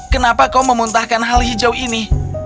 kenapa kau memuntahkan hal hijau ini